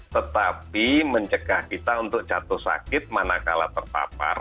tetapi mencegah kita untuk jatuh sakit manakala terpapar